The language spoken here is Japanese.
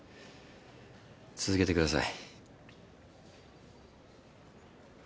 続けてください。